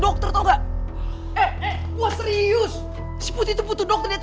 dikenyangin kuang putri dikitnya kuat